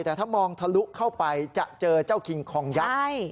แต่ถ้ามองทะลุเข้าไปจะเจอเจ้าคิงคองยักษ์